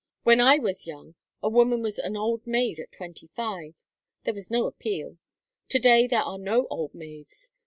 When I was young a woman was an old maid at twenty five. There was no appeal. To day there are no old maids.